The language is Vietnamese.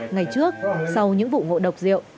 ngày trước sau những vụ ngộ độc rượu